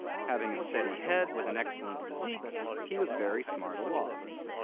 Having a steady head with an excellent physique, he was very smart aloft.